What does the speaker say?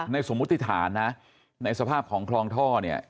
สมมุติฐานนะในสภาพของคลองท่อเนี่ย